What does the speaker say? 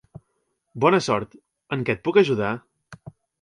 Bona sort. En què et puc ajudar?